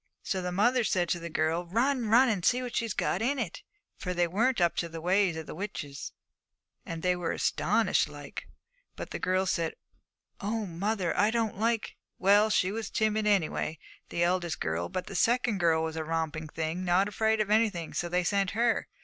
'So the mother said to the girl, "Run, run, and see what she has got in it." For they weren't up to the ways of witches, and they were astonished like. But the girl, she said, "Oh, mother, I don't like." Well, she was timid, anyway, the eldest girl. But the second girl was a romping thing, not afraid of anything, so they sent her.